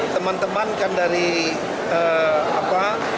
teman teman kan dari apa